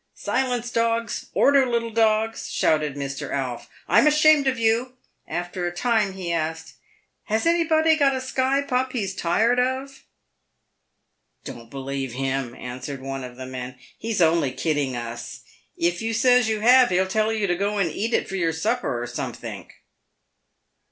"Silence, dogs! order, little dogs!" shouted Mr. Alf; "I'm ashamed of you !" After a time he asked, " Has anybody got a Skye pup he's tired of?" "Don't believe him," answered one of the men; "he's only a kidding of us. If you says you have, he'll tell you to go and eat it for your supper or somethink."